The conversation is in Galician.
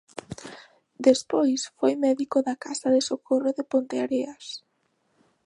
Despois foi médico da Casa de Socorro de Ponteareas.